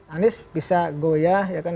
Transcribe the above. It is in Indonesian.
anies bisa goyah ya kan